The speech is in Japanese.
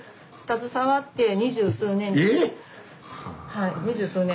はい二十数年。